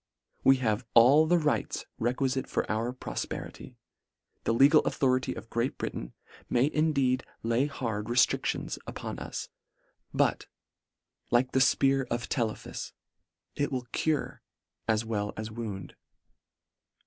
We have all the rights requilite for our profperity. The legal authority of Great Britain may indeed lay hard reftricli ons upon us ; but, like the fpear of Tele phus, it will cure as well as wound.